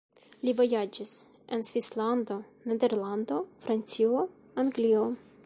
Li vojaĝis en Svislando, Nederlando, Francio, Anglio.